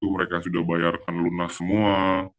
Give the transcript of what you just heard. mereka sudah bayarkan lunas semua